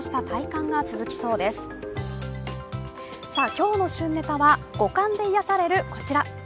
今日の旬ネタは五感で癒やされる、こちら。